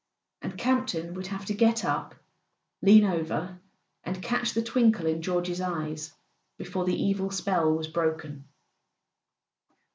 And Camp ton would have to get up, lean over, and catch the twinkle in George's eyes before the evil spell was broken.